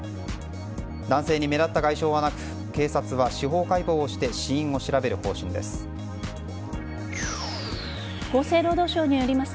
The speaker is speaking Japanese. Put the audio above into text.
男性に目立った外傷はなく警察は司法解剖をして死因を調べる方針です。